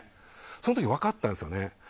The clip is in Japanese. その時、分かったんですよね。